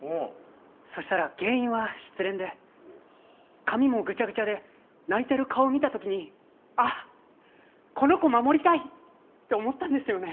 そしたら原因は失恋で髪もぐちゃぐちゃで泣いてる顔を見た時にあこの子守りたいって思ったんですよね。